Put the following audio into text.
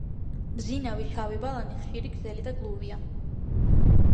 მბზინავი, შავი ბალანი ხშირი, გრძელი და გლუვია.